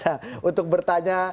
untuk bertanya untuk mengetahui